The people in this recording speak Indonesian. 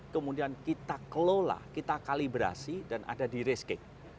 kemudian kita kelola kita kalibrasi dan ada di rescape